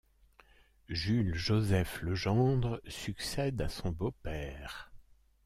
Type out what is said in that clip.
Jules-Joseph Legendre succède à son beau-père.